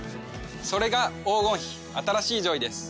それが黄金比新しいジョイです。